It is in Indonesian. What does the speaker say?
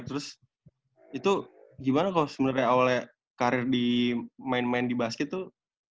terus itu gimana kalau sebenarnya awalnya karir di main main di basket tuh